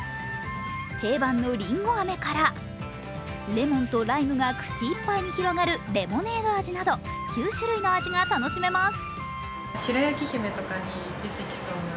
定番のりんご飴から、レモンとライムが口いっぱいに広がるレモネード味など９種類の味が楽しめます。